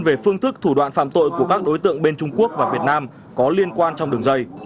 về phương thức thủ đoạn phạm tội của các đối tượng bên trung quốc và việt nam có liên quan trong đường dây